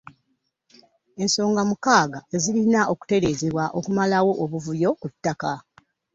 Ensonga mukaaga ezirina okutereezebwa okumalawo obuvuyo ku ttaka